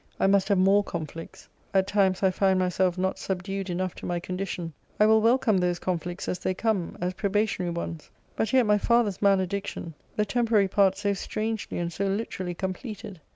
I must have more conflicts. At times I find myself not subdued enough to my condition. I will welcome those conflicts as they come, as probationary ones. But yet my father's malediction the temporary part so strangely and so literally completed!